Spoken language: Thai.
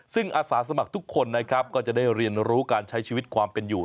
ซึ่งอาสาสมัครทุกคนนะครับก็จะได้เรียนรู้การใช้ชีวิตความเป็นอยู่